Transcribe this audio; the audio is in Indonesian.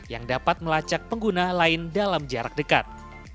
yang dapat melacak pengguna lain dalam jarak dekat